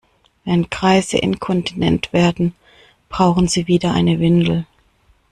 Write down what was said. Wenn Greise inkontinent werden, brauchen sie wieder eine Windel.